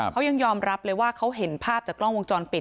เขายังยอมรับเลยว่าเขาเห็นภาพจากกล้องวงจรปิด